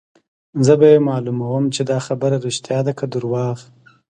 زه به يې معلوموم چې دا خبره ريښتیا ده که درواغ.